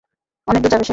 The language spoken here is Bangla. অনেকদূর যাবে সে!